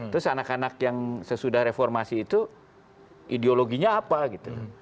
terus anak anak yang sesudah reformasi itu ideologinya apa gitu